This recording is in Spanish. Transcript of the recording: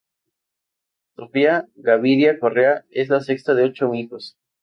Sofía Gaviria Correa, es la sexta de ocho hijos.